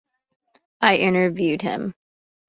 I interviewed him.